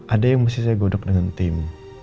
ada yang mesti saya godok dengan tim